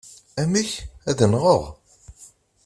Amek! Ad nɣeɣ?